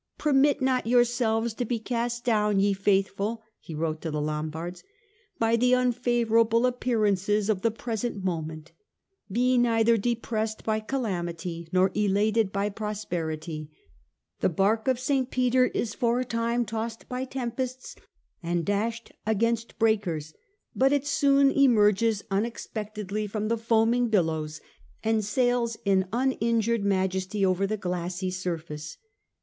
" Permit not yourselves to be cast down, ye faithful," he wrote to the Lombards, " by the unfavour able appearances of the present moment ; be neither depressed by calamity nor elated by prosperity. The bark of St. Peter is for a time tossed by tempests and dashed against breakers ; but it soon emerges unexpec THE CAPTURED COUNCIL 201 tedly from the foaming billows, and sails in uninjured majesty over the glassy surface."